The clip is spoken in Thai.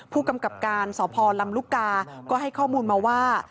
ผู้กำกับการสพลำลูกกาก็ให้ข้อมูลมาว่า